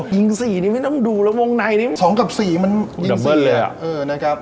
ยิง๔นี้ไม่ต้องดูแล้ววงในนี้๒กับ๔มันยิง๔เลย